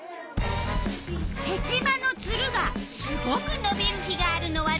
ヘチマのツルがすごくのびる日があるのはどうしてか。